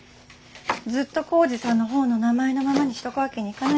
ずっと幸次さんの方の名前のままにしとくわけにいかないでしょ。